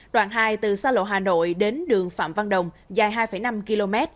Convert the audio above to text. đoạn hai từ xa lộ hà nội đến đường phạm văn đồng dài hai năm km